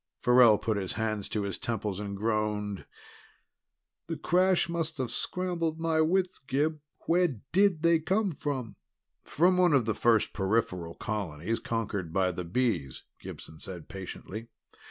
Farrell put his hands to his temples and groaned. "The crash must have scrambled my wits. Gib, where did they come from?" "From one of the first peripheral colonies conquered by the Bees," Gibson said patiently.